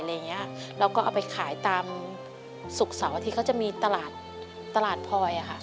แล้วก็เอาไปขายตามสุขเสาที่เขาจะมีตลาดพลอย